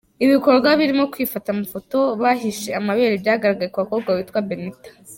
Ibikorwa birimo kwifata amafoto bahishe amabere byagaragaye ku mukobwa witwa Benitha.